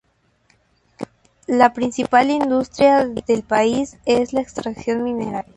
La principal industria del país es la extracción mineral.